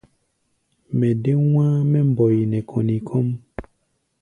Mɛ dé wá̧á̧ mɛ́ mbɔi nɛ kɔni kɔ́ʼm.